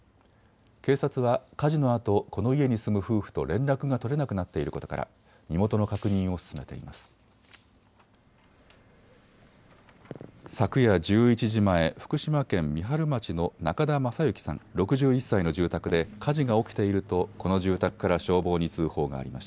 警察は火事のあとこの家に住む夫婦と連絡が取れなくなっていることから身元の確認を進めています。